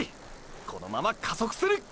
このまま加速する！！